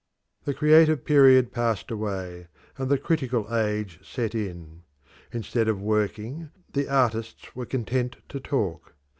The creative period passed away, and the critical age set in. Instead of working, the artists were content to talk.